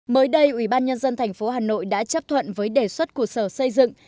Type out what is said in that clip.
mới đây ủy ban nhân dân tp hà nội đã chấp thuận với đề xuất của sở xây dựng